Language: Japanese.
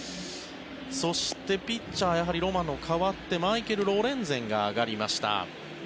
そして、ピッチャーやはりロマノ、代わってマイケル・ロレンゼンが上がりました。